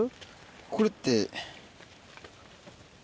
これって。